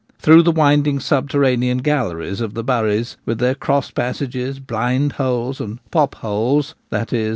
Through the winding subterranean galleries of the ' buries ' with their cross passages, ' blind ' holes and 'pop ' holes (i.e.